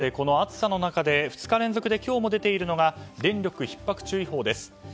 そしてこの暑さの中で２日連続で今日も出ているのが電力ひっ迫注意報です。